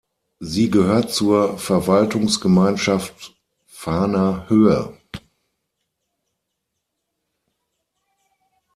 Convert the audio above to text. Sie gehört zur Verwaltungsgemeinschaft Fahner Höhe.